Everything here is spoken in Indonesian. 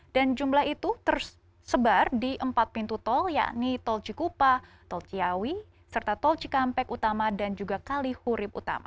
dan jumlah itu tersebar di empat pintu tol yakni tol cikupa tol ciawi serta tol cikampek utama dan juga kali hurib utama